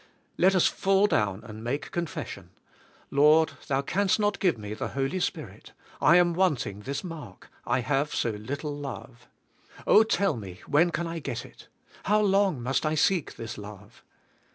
Let us fall down and make confession, Lord, Thou canst not g ive me the Holy Spirit; I am wanting" this mark; I have so little love. Oh, tell me, when can I get it? How long* must I seek this love?